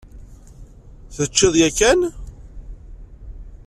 Teččiḍ yakan?